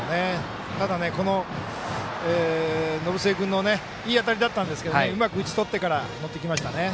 ただ、延末君のいい当たりだったんですけどうまく打ち取ってから乗ってきましたね。